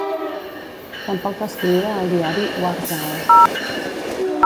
Tampoc va escriure al diari "War Zao".